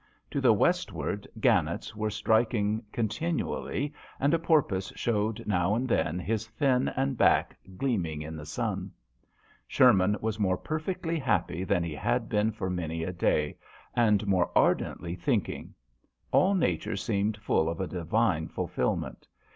To the westward JOHN SHERMAN. 147 gannets were striking continually, and a porpoise showed now and then, his fin and back gleaming in the sun. Sherman was more perfectly happy than he had been for many a day, and more ar dently thinking. All nature seemed full of a Divine fulfil ment.